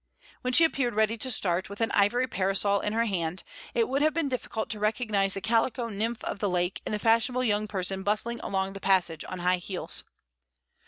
When she appeared ready to start, with an ivory parasol in her hand, it would have been difficult to recognise the calico nymph of the lake in the fashionable young person bustling along the passage on high heels.